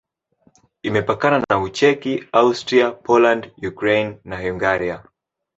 Imepakana na Ucheki, Austria, Poland, Ukraine na Hungaria.